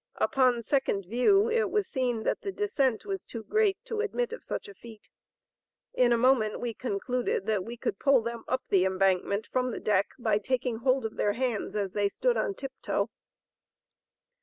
Upon second view it was seen that the descent was too great to admit of such a feat. In a moment we concluded that we could pull them up the embankment from the deck by taking hold of their hands as they stood on tip toe.